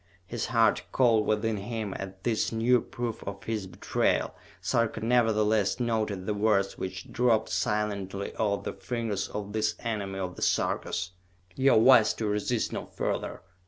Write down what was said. His heart cold within him at this new proof of her betrayal, Sarka nevertheless noted the words which dropped silently off the fingers of this enemy of the Sarkas. "You are wise to resist no further!